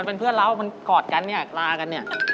เทอร์เป็นเพื่อนเรากอดกันลากัน